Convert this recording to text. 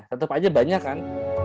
satu pajak banyak kan